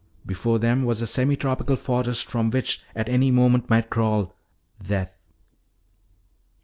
Before them was a semitropical forest from which at any moment might crawl death.